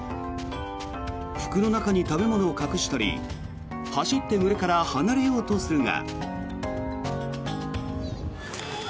服の中に食べ物を隠したり走って群れから離れようとするが。